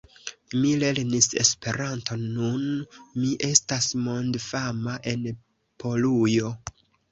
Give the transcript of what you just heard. Mi lernis Esperanton, nun mi estas mondfama en Polujo.